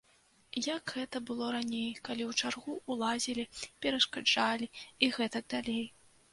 Як гэта было раней, калі ў чаргу ўлазілі, перашкаджалі і гэтак далей.